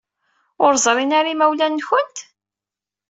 Ur ẓrin ara yimawlan-nwent?